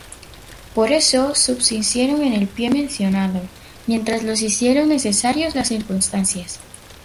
Por eso subsistieron en el pie mencionado, mientras los hicieron necesarios las circunstancias.